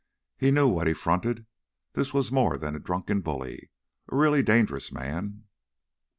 He knew what he fronted; this was more than a drunken bully—a really dangerous man.